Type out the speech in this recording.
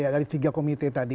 dari tiga komite tadi